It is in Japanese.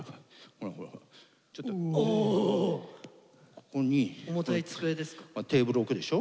ここにテーブル置くでしょ。